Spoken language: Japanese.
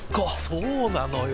そうなのよ。